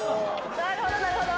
なるほどなるほど。